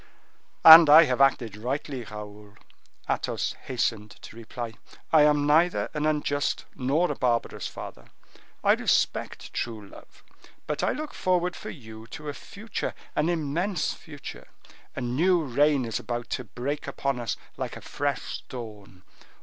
"And I have acted rightly, Raoul." Athos hastened to reply. "I am neither an unjust nor a barbarous father; I respect true love; but I look forward for you to a future—an immense future. A new reign is about to break upon us like a fresh dawn.